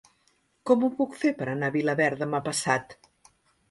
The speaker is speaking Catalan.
Com ho puc fer per anar a Vilaverd demà passat?